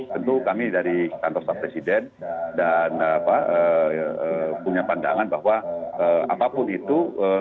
tentu kami dari kantor staf presiden dan punya pandangan bahwa apapun itu